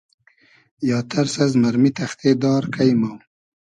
یا تئرس از مئرمی تئختې دار کݷ مۉ